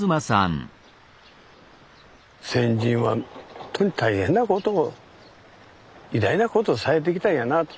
先人はほんとに大変なことを偉大なことをされてきたんやなあと。